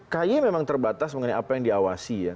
k y memang terbatas mengenai apa yang diawasi ya